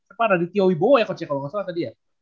apa raditya wibowo ya coach ya kalau gak salah tadi ya